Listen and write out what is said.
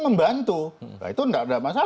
membantu itu enggak ada masalah